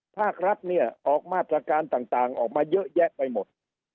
ภาครัฐเนี่ยออกมาตรการต่างออกมาเยอะแยะไปหมด